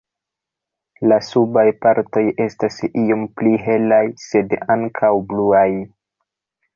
La subaj partoj estas iom pli helaj, sed ankaŭ bluaj.